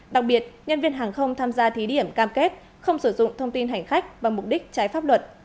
đặc biệt nhân viên hàng không tham gia thí điểm cam kết không sử dụng thông tin hành khách và mục đích trái pháp luật